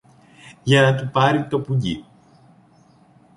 για να του πάρει το πουγγί